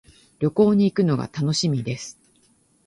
旅行に行くのが楽しみです。